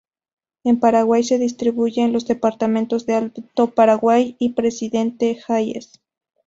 En Paraguay se distribuye en los departamentos de Alto Paraguay y Presidente Hayes.